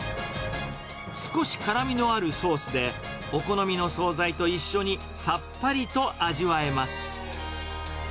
少し辛みのあるソースで、お好みの総菜と一緒にさっぱりと味わえます。